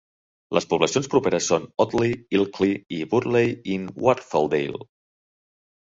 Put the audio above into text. Les poblacions properes són Otley, Ilkley i Burley-in-Wharfedale.